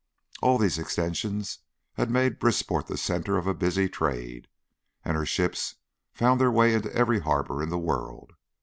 All these extensions had made Brisport the centre of a busy trade, and her ships found their way into every harbour in the world.